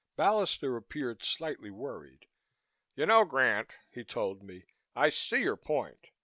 Ballister appeared slightly worried. "You know, Grant," he told me, "I see your point.